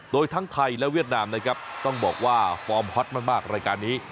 โดยทั้งไทยและเวียดนามนะครับต้องบอกว่าฟอร์มฮอตมากรายการนี้